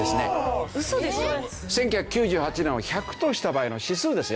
１９９８年を１００とした場合の指数ですよ。